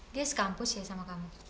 dia sekampus ya sama kamu